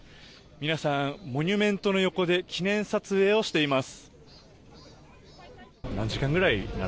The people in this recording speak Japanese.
皆さん、モニュメントの横で記念撮影をしています。